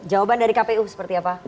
jawaban dari kpu seperti apa